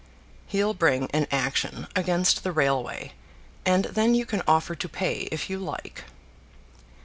"He'll bring an action against the railway, and then you can offer to pay if you like."